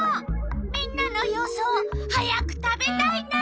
みんなの予想早く食べたいな。